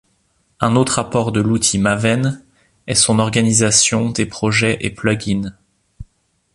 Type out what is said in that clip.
Un autre apport de l'outil Maven est son organisation des projets et plugins.